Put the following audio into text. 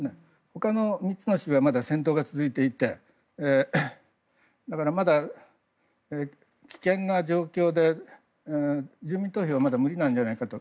他の３つの州はまだ戦闘が続いていてだから危険な状況で、住民投票はまだ無理なんじゃないかと。